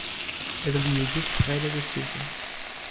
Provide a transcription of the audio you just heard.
Arleudo Ferreira da Silva